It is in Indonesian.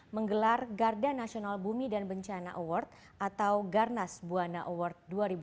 menggelar garda nasional bumi dan bencana award atau garnas buana award dua ribu dua puluh